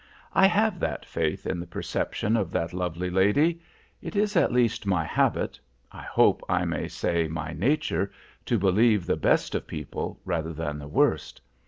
I have that faith in the perception of that lovely lady. It is at least my habit—I hope I may say, my nature, to believe the best of people, rather than the worst.